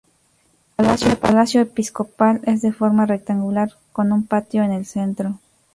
El Palacio Episcopal es de forma rectangular con un patio en el centro.